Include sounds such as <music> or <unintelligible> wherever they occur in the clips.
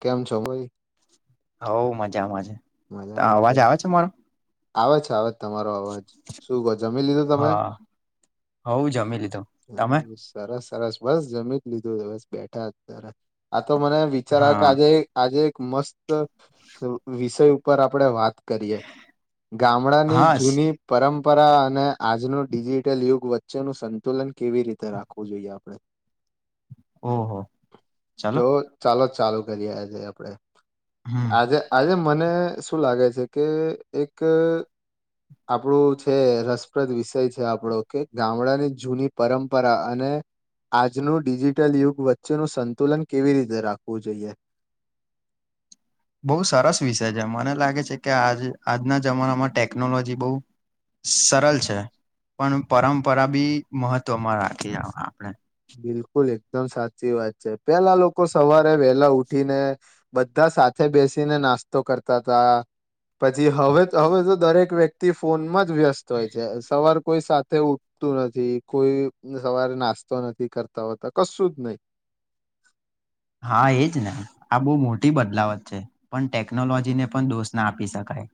કેમ છો ભાઈ હવ મજામાં છે મજામાં છે અવાજ આવે મારો આવે છે આવે તમારો અવાજ શું કહો જમી લીધો તમે હા હવ જમી લીધો તમે સરસ સરસ બસ જમી જ લીધું બસ બેઠા ત તો મને વિચારા કે હા આજે આજે મસ્ત તો વિશે ઉપર આપણે વાત કરીએ ગામડાની હા જૂની પરં પરંપરા અને આજનું ડિજિટલ યુગ વચ્ચેનું સંતુલન કેવી રીતે રાખવું જોઈએ આપણે ઓહો ચલો જો ચાલો ચાલુ ઘ આ્યા છે આપડે હમ અજે અજે મને શું લાગે છે કે એક આપણું છે રસપ્રદ વિષય છે આપણો કે ગામડાની જૂની પરંપરા અને આજનું ડિજિટલ યુગ વચ્ચેનું સંતુલન કેવી રીતે રાખવું જોઈએ બહુ સરસ વિષય છે મને લાગે છે કે આજ આજના જમાનામાં ટેકનોલોજી બહુ સરળ છે પણ પરંપરા બી મહત્વમાં રાખી આપણે બિલકુલ એકદમ સાચી વાત છે પેલા લોકો સવારે વેલા ઉઠીને બધા સાથે બેસીને નાસ્તો કરતા હતા પછી હવે હવે તો દરેક વ્યક્તિ તે ફોનમાં વ્યસ્ત હોય છે સવાર કોઈ સાથે ઉઠતું નથી કોઈ સવારે નાસ્તા તો નથી કરતા હોતા કશું જ નહી હા એજ ને આ બહુ મોટી બદલાવત છે પણ ટેકનોલોજી ને પણ દોષ ના આપી શકાય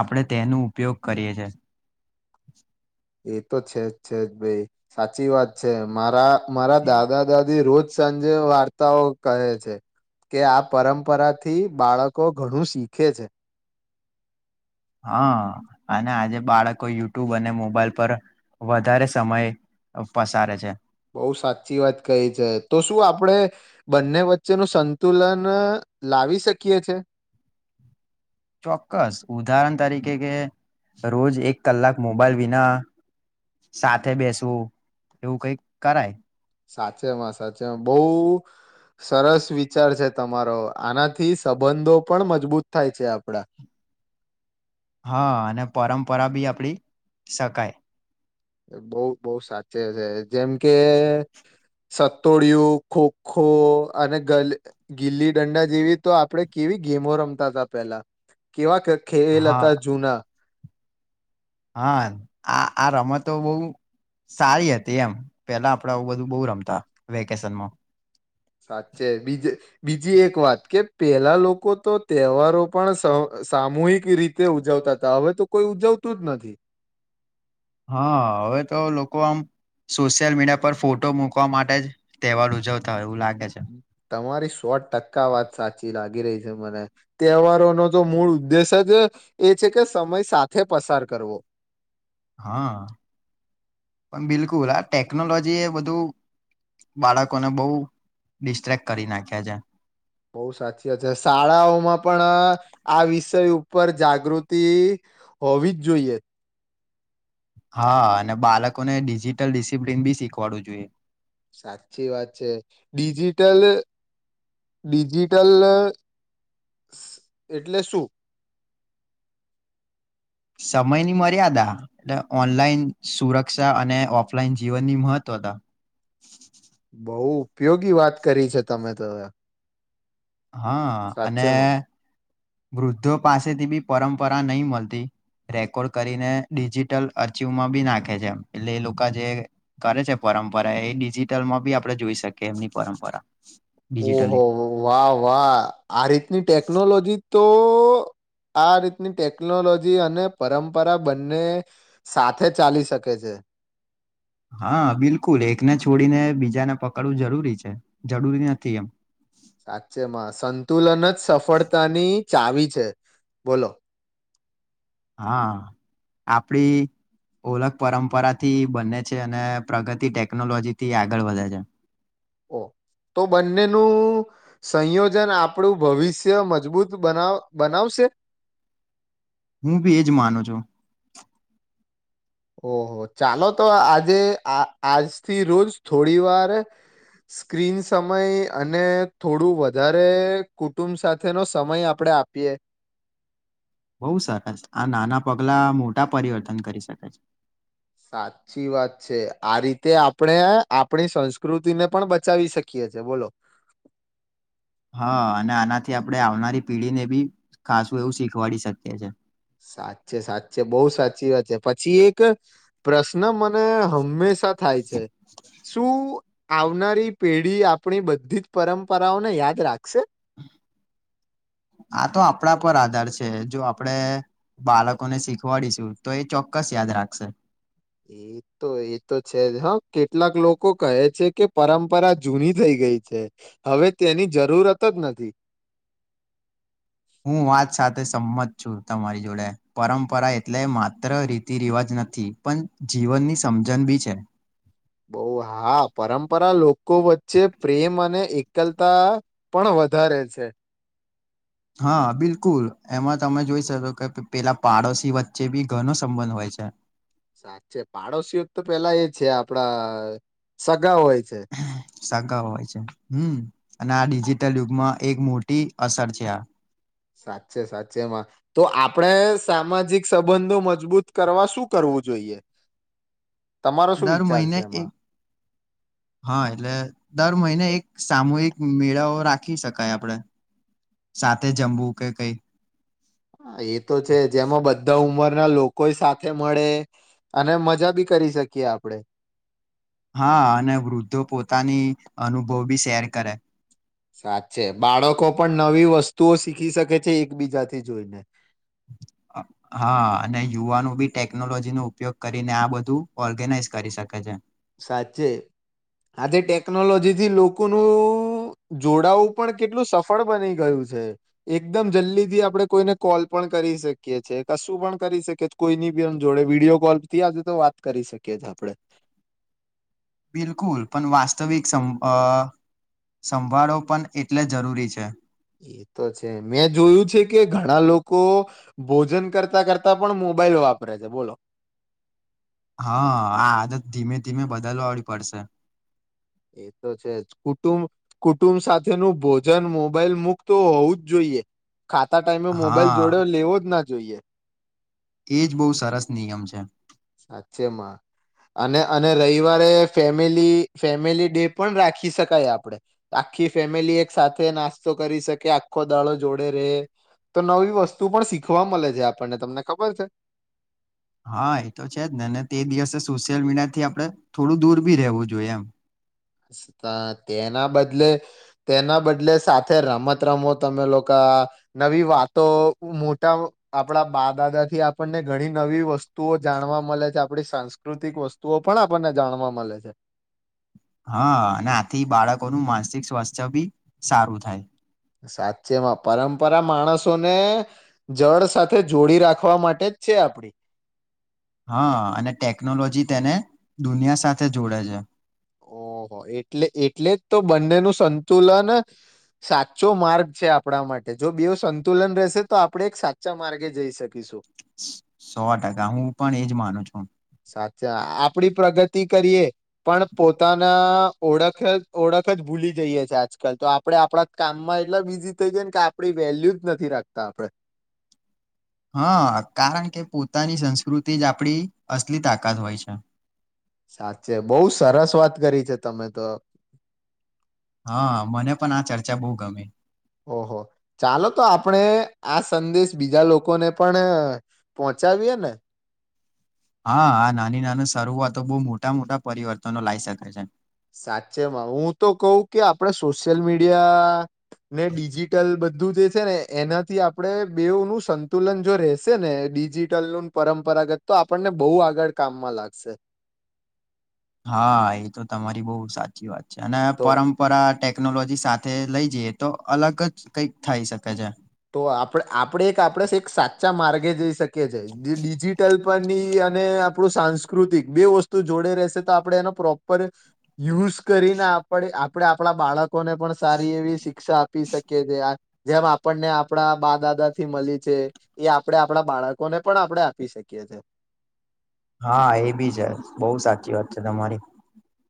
આપણે તેનો ઉપયોગ કરીએ છે એ તો છેજ છેજ ભાઈ સાચી વાત છે મારા મારા દાદા દાદી રોજ જ વાર્તાઓ કહે છે કે આ પરંપરા થી બાળકો ઘણું શીખે છે હા અને આજે બાળકો યુટ્યુબ અને મોબાઈલ પર વધારે સમય પસારે છે બહ સાચી વાત કહી છે તો શું આપડે બંને વચ્ચે ન સંતુલન લાવી શકીએ છે ચોક્કસ ઉદાહરણ તરીકે કે રોજ એક કલાક મોબાઈલ વિના સાથે બેસવું એવું કઈક કરાય સાચેમાં સાચેમાં બહુ સરસ વિચાર છે તમારો આનાથી સંબંધો પણ મજબૂત થાય છે આપડા હા અને પરંપરા બી આપડી શકાય બઉ બઉુ સાચે છે જેમ કે સતોડિયું ખોખો અને ગ ગીલી ડંડા જેવી તો આપણેે કેવી ગેમો રમતા હતા પેલા કેવા ખેલ હા હતા જૂના હા આ આ રમતો બહ સારી હતી એમ પેલા આપડા બધું બહ રમતા વેકેશનમાં સાચે બીજ બીજી એક વાત કે પેલા લોકો તો તહેવારો પણ સામૂહિક રીતે ઉજવતા હતા હવે તો કોઈ ઉજવતું જ નથી હા હવે તો લોકો આમ સોશિયલ મીડિયા પર ફોટો મુૂકવા માટે જ તહેવાર ઉજવતા હોય એવું લાગે છે તમારી સો ટકા વાત સાચી લાગી રહી છે મને તહેવારો નો તો મૂળ ઉદ્દેશ જ એ છે કે સમય સાથે પસાર કરવો હા પણ બિલકુલ આ ટેકનોલોજી એ બધું બાળકોને બહુ ડિસ્ટ્રેક્ટ કરી નાખ્યા છે બહ સાચી વાત છે શાળાઓમાં પણ આ વિષય ઉપર જાગૃતિ હોવી જ જોઈએ હા અને બાળકોને ડિજિટલ ડિસિપ્લિન બી શીખવાડું જોઈએ સાચી વાત છે ડિજિટલ ડિજિટલ એટલે શું સમયની મર્યાદા એટલે ઓનલાઈન સુરક્ષા અને ઓફલાઈન જીવનની મહત્વતા બહુ ઉપયોગી વાત કરી છે તમે તો હા અને સાચેમાં વૃદ્ધો પાસેથી બી પરંપરા નહી મળતી રેકોર્ડ કરીને ડિજિટલ અરચીમાં બી નાખે છે એ એટલે એ લોકો જે કરે છે પરંપરા એ ડિજિટલમાં બી આપણે જોઈ શકીએ એમની પરંપરા ડિજિટલી ઓહો વાહ વાહ આ રીતની ટેકનોલોજી તો આ રીતની ટેકનોલોજી અને પરંપરા બંને સાથે ચાલી શકે છે હા બિલકુલ એકને છોડીને બીજાને પકડવું જરૂરી છે જરૂરી નથી એમ સાચેમાં સંતુલન જ સફળતાની ચાવી છે બોલો હા આપડી ઓલખ પરંપરાથી બને છે અને પ્રગતિ ટેકનોલોજી થી આગળ વધે છે ઓ તો બંનેનું સંયોજન આપણું ભવિષ્ય મજબૂત બનાવ બનાવશે હું ભી એજ માનું છું ઓહો ચાલો તો આજે આ આજથી રોજ થોડી વાર સ્ક્રીન સમય અને થોડું વધારે કુટુંબ સાથેનો સમય આપણે આપીએ બોઉ સરસ આ નાના પગલા મોટા પરિવર્તન કરી શકે છે સાચી વાત છે આ રીતે આપણે આપણી સંસ્કૃતિને પણ બચાવી શકીએ છે બોલો હા અને આનાથી આપણે આવનારી પેઢીને ભી ખાસું એવું શીખવાડી શકીએ છે સાચે સાચે બો સાચી વાત છે પછી એક પ્રશ્ન મને હંમેશા થાય છે શું આવનારી પેઢી આપણી બધી જ પરંપરાઓને યાદ રાખશે આ તો આપણા પર આધાર છે જો આપણે બાળકોને શીખવાડીશું તો એ ચોક્કસ યાદ રાખશે એ તો એ તો છે જ હ કેટલાક લોકો કહે છે કે પરંપરા જૂની થઈ ગઈ છે હવે તેની જરૂરત જ નથી હું વાત સાથે સંમત છું તમારી જોડે પરંપરા એટલે માત્ર રીતિ રિવાજ નથી પણ જીવનની સમજન બી છે બો હા પરંપરા લોકો વચ્ચે પ્રેમ અને એકલતા પણ વધારે છે હા બિલકુલ એમાં તમે જોઈ શકો કે પેલા પાડોશી વચ્ચે ભી ઘનો સંબંધ હોય છે સાચે પાડોશી <unintelligible> તો પેલા એ છે આપડા સ ગા હોય છે સગા હોય છે હમ અને આ ડિજિટલ યુગમાં એક મોટી અસર છે આ સાચે સાચે એમાં તો આપડે સામાજિક સંબંધો મજબૂત કરવા શું કરવું જોઈએ તમારો શું દર વિચાર છે મહિને એક એમાં હા એટલે દર મહિને એક સામૂહિક મેળાઓ રાખી શકાય આપણેે સાથે જમવું કે કઈ હા એ તો છે જ જેમાં બધા ઉંમર ના લોકો સાથે મળે અને મજા ભી કરી શકીએ આપડે હા અને વૃદ્ધો પોતાની અનુભવ ભી શેર કરે સાચે બાળકો પણ નવી વસ્તુઓ શીખી શકે છે એકબીજાથી જોઈને હા અને યુવાનો ભી ટેકનોલોજી નો ઉપયોગ કરીને આ બધું ઓર્ગેનાઈઝ કરી શકે છે સાચે આજે ટેકનોલોજી થી લોકોનું જોડાવું પણ કેટલું સફળ બની ગયું છે એકદમ જલ્દીથી આપણે કોઈને કોલ પણ કરી શકીએ છે કશું પણ કરી શકીએ કોઈની ભી એમ જોડે વિડીયો કોલ થી આજે તો વાત કરી શકીએ આપણે બિલકુલ પણ વાસ્તવિક સ અ સંભાળો પણ એટલે જ જરૂરી છે એ તો છે મેં જોયું છે કે ઘણા લોકો ભોજન કરતા કરતા પણ મોબાઈલ વાપરે છે બોલો હા આ આદત ધીમે ધીમે બદલવાવી પડશે એ તો છે જ કુટુંબ કુટુંબ સાથેનું ભોજન મોબાઈલ મુક્ત હોવું જ જોઈએ ખાતા ટાઈમે મોબાઈલ હા જોડે લેવો જ ન જોઈએ એજ બો સરસ નિયમ છે સાચેમાં અને અને રવિવારે ફેમિલી ફેમિલી ડે પણ રાખી શકાય આપડે આખી ફેમિલી એક સાથે નાસ્તો કરી શકે આખો દાળો જોડે રે તો નવી વસ્તુ પણ શીખવા મળે છે આપણને તમને ખબર છે હા એ તો છે જ નેને તે દિવસે સોશિયલ મીડિયા થી આપડણે થોડું દૂર ભી રહેવું જોઈએ એમ તા તેના બદલે તેના બદલે સાથે રમત રમો તમે લોકો નવી વાતો મોટા આપણા બા દાદાથી આપણને ઘણી નવી વસ્તુઓ જાણવા મલે છે આપણી સાંસ્કૃતિક વસ્તુઓ પણ આપણને જાણવા મલે છે હા અને આથી બાળકોનું માનસિક સ્વાસ્થ્ય ભી સારું થાય સાચેમાં પરંપરા માણસોને જળ સાથે જોડી રાખવા માટે જ છે આપડી હા અને ટેકનોલોજી તેને દુનિયા સાથે જોડે છે ઓહો એટલે એટલે જ તો બંને નો સંતુલન સાચો માર્ગ છે આપણા માટે જો બેવુ સંતુલન રહેશે તો આપણે એક સાચા માર્ગે જઈ શકીશું સો ટકા હું પણ એજ માનું છું સાચા આપડી પ્રગતિ કરીએ પણ પોતાના ઓળખ ઓળખ જ ભૂલી જઈએ છે આજકાલ તો આપડે આપણા કામમાં એટલા બીઝી થઈ જાય ને કે આપડી વેલ્યુ જ નથી રાખતા આપડે હા કારણ કે પોતાની સંસ્કૃતિ જ આપણી અસલી તાકાત હોય છે સાચે બહુ સરસ વાત કરી છે તમે તો હા મને પણ આ ચર્ચા બહુ ગમી ઓહો ચાલો તો આપણે આ સંદેશ બીજા લોકોને પણ પોહોંચાવીએ ને હા હા નાની નાની શરૂઆતો બહુ મોટા મોટા પરિવર્તનો લાવી શકે છે સાચેમાં હું તો કહું કે આપણે સોશિયલ મીડિયા ને ડિજિટલ બધું જે છે ને એનાથી આપણે બેવનું સંતુલન જો રેશે ને ડિજિટલનું પરંપરાગત તો આપણને બહુ આગળ કામમાં લાગશે હા એ તો તમારી બહુ સાચી વાત અને તો પરંપરા ટેકનોલોજી સાથે લઈ જઈએ તો અલગ જ કઈક થાય શકે છે તો આપ આપણે એક આપણે એક સાચા માર્ગે જઈ શકીએ જ ડિજિટલ ની અને આપણું સાંસ્કૃતિક બે વસ્તુ જોડે રહેશે તો આપણે એનો પ્રોપર યુઝ કરીને આપણે આપણે આપણા બાળક લોકોને પણ સારી એવી શિક્ષા આપી શકે છે આ જેમ આપ આપણને આપણા બા દાદાથી મળી છે એ આપણે આપણા બાળકોને પણ આપણે આપી શકીએ છે હા એ બી છે બહુ સાચી વાત છે તમારી.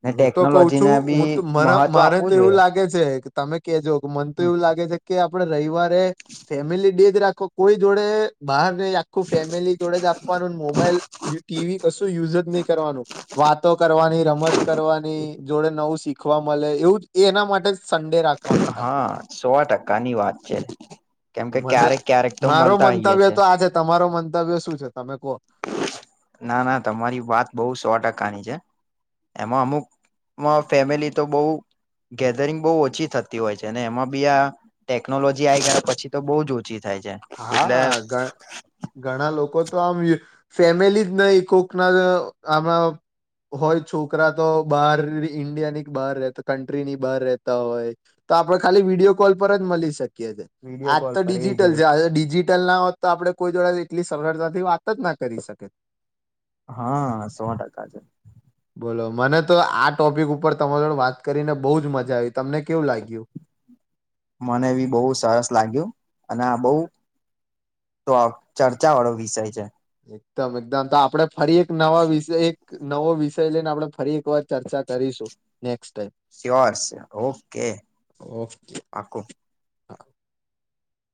ને હું તો કઉ ટેકનોલોજી છું ને હુંત બી મન મહત્વ મને આપવું તેવું જોઈએ. લાગે છે. તમે કેજો. મન તો હમ. એવું લાગે છે કે. આપડે રવિવારે ફેમિલી ડે. રાખો કોઈ જોડે બહાર. આખું ફેમિલી જોડે જ આપવાનું મોબાઈલ. ટીવી કશું યુઝ જ નહી કરવાનું વાતો કરવાની રમત. કરવાની જોડે નવું શીખ. <unintelligible> સંડે રાખવાનો ખાલી, હા સો ટકાની વાત છે કેમ કે મને ક્યારેક ક્યારેક તો મારો મળતા હઈએ મંતવ્ય તો આ છે તમે તમારો મંતવ્ય શું છે તમે કો. ના ના તમારી વાત બહુ સો ટકાની છે, એમાં અમુક ફેમિલી તો બહુ ગેધરિંગ બહુ ઓછી થતી હોય છે. અને એમાં બી આ ટેકનોલોજી આઈ ગયા પછી તો બહુ જ. ઓછી થાય છે એટલે હા ઘ ઘણા લોકો. તો આમ ફેમિલી જ નહી કોકના આણા હોય છોકરા તો બહાર ઈન્ડિયા ની બહાર રહેતા કન્ટ્રી ની બહાર રહેતા હોય તો આપડે ખાલી વિડીિયો કોલ પર જ મળી શકીએ. વિડીયો આજ કોલ તો પર એ ડિજિટલ. જે ડિજિટલ ના હોત તો આપડે. કોઈ જોડ એટલી સરળતાથી વાત જ ના કરી શકે. હા સો ટકા છે. બોલો મને તો આ ટોપિક ઉપર તમારો જોડે વાત કરીને બહુ જ મજા આવી તમને કેવું લાગ્યું. મને બી બહુ સરસ લાગ્યું અને આ બહૂ તો ચર્ચા વાળો વિષય છે. એકદમ એકદમ તો આપડે. ફરી એક નવા વિષ એક. નવો વિષય લઈને આપણે ફરી એકવાર ચર્ચા કરીશું ને. સ્યોર છે ઓકે ઓકે પાકું.